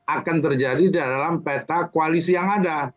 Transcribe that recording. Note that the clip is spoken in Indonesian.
akan terjadi dalam peta koalisi yang ada